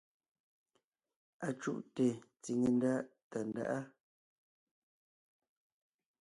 Acùʼte tsiŋe ndá Tàndáʼa.